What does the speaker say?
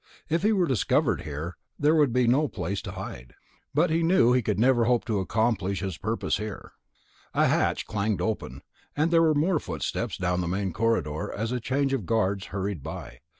If he were discovered here, there would be no place to hide. But he knew that he could never hope to accomplish his purpose here.... A hatch clanged open, and there were more footsteps down the main corridor as a change of guards hurried by.